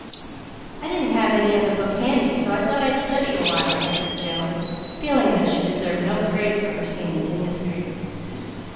"I didn't have any other book handy, so I thought I'd study awhile," answered Jill, feeling that she deserved no praise for her seeming industry.